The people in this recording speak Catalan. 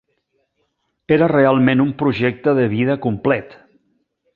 Era realment un projecte de vida complet.